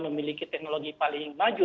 memiliki teknologi paling maju